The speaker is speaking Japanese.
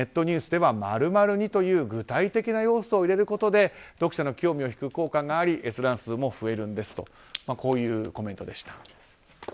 ニュースでは○○似という具体的な要素を入れることで読者の興味を引く効果があり閲覧数も増えるんですというコメントでした。